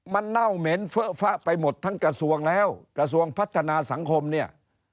มันเน่าเหม็นเฟอะฟะไปหมดทั้งกระทรวงแล้วกระทรวงพัฒนาสังคมเนี่ย